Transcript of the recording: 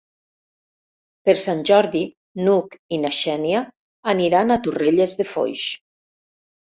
Per Sant Jordi n'Hug i na Xènia aniran a Torrelles de Foix.